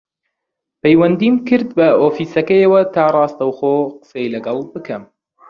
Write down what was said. پەیوەندیم کرد بە ئۆفیسەکەیەوە تا ڕاستەوخۆ قسەی لەگەڵ بکەم